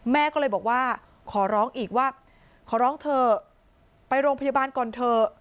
แม่ก็เลยบอกว่าขอร้องอีกว่าขอร้องเถอะไปโรงพยาบาลก่อนเถอะ